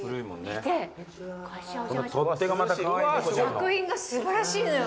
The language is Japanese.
作品が素晴らしいのよ。